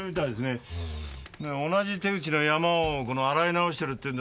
同じ手口のヤマを洗い直してるって。